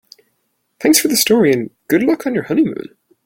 Thanks for the story and good luck on your honeymoon.